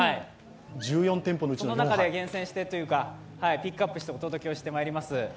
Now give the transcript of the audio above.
その中で厳選してというかピックアップしてお届けしてまいります。